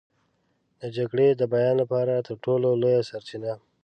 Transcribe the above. د جګړې د بیان لپاره تر ټولو لویه سرچینه.